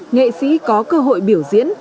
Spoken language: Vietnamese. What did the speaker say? nghệ sĩ có cơ hội biểu diễn